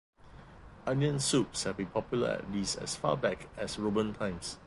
Onion soups have been popular at least as far back as Roman times.